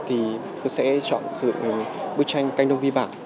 thì tôi sẽ chọn sử dụng bức tranh canh đông vi vạn